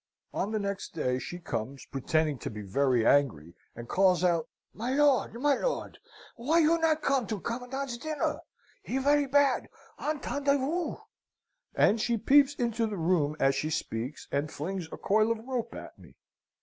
"On the next day, she comes, pretending to be very angry, and calls out, 'My lord! my lord! why you not come to commandant's dinner? He very bad! Entendez vows?' And she peeps into the room as she speaks, and flings a coil of rope at me.